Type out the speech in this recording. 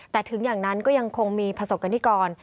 แต่ถึงอย่างนั้นก็ยังคงมีประสบกรณิกร